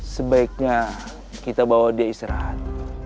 sebaiknya kita bawa dia istirahat